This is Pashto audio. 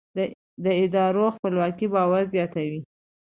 د ادارو خپلواکي باور زیاتوي